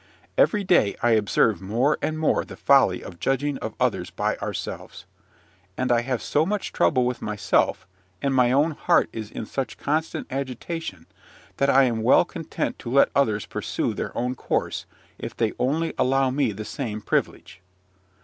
Every day I observe more and more the folly of judging of others by ourselves; and I have so much trouble with myself, and my own heart is in such constant agitation, that I am well content to let others pursue their own course, if they only allow me the same privilege.